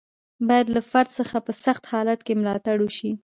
باید له فرد څخه په سخت حالت کې ملاتړ وشي.